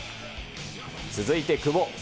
続いて久保。